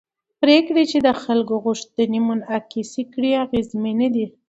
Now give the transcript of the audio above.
پرېکړې چې د خلکو غوښتنې منعکس کړي اغېزمنې دي